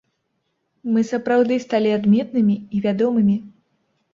Мы сапраўды сталі адметнымі і вядомымі.